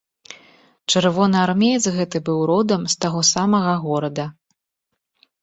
Чырвонаармеец гэты быў родам з таго самага горада.